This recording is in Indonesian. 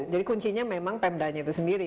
jadi kuncinya memang pemdan itu sendiri